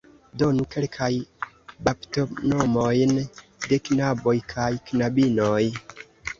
Donu kelkajn baptonomojn de knaboj kaj knabinoj.